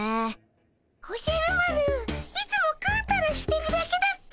おじゃる丸いつもグータラしてるだけだっピ。